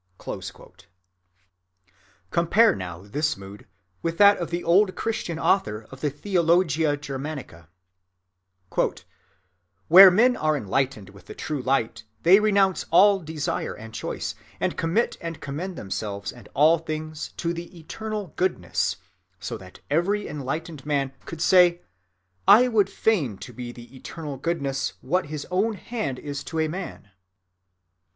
(15) Compare now this mood with that of the old Christian author of the Theologia Germanica:— "Where men are enlightened with the true light, they renounce all desire and choice, and commit and commend themselves and all things to the eternal Goodness, so that every enlightened man could say: 'I would fain be to the Eternal Goodness what his own hand is to a man.